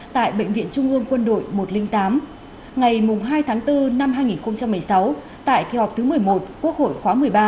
tại bệnh viện trung ương quân đội một trăm linh tám ngày hai tháng bốn năm hai nghìn một mươi sáu tại kỳ họp thứ một mươi một quốc hội khóa một mươi ba